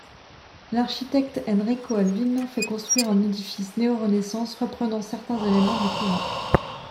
L'architecte Enrico Alvino fait construire un édifice néorenaissance reprenant certains éléments du couvent.